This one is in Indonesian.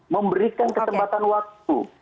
memberikan kesempatan waktu